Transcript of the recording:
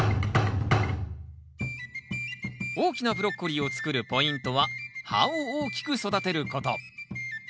大きなブロッコリーを作るポイントは葉を大きく育てること。